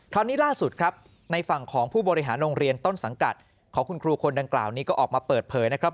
ล่าสุดครับในฝั่งของผู้บริหารโรงเรียนต้นสังกัดของคุณครูคนดังกล่าวนี้ก็ออกมาเปิดเผยนะครับ